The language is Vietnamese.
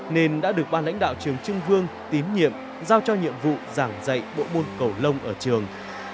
nên đã được ban lãnh đạo trường trưng vương tín nhiệm giao cho nhiệm vụ giảng dạy bộ bôn cầu lông ở trường